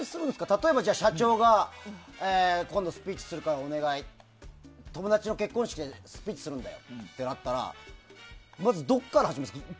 例えば、社長が今度スピーチするから友達の結婚式のスピーチするんでってなったらまず、どこから始めるんですか